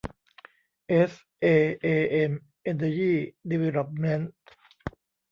เอสเอเอเอ็ม เอ็นเนอร์ยี่ ดีเวลลอปเมนท์